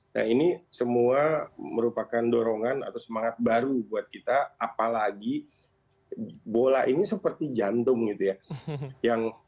nah ini semua merupakan dorongan atau semangat baru buat kita apalagi bola ini seperti jantung gitu ya